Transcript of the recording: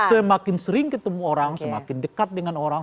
semakin sering ketemu orang semakin dekat dengan orang